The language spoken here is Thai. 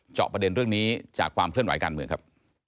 ประเด็นเรื่องนี้จากความเคลื่อนไหวการเมืองครับ